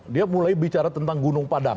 dia mulai bicara tentang gunung padang